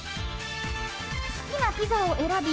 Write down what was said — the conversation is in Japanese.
好きなピザを選び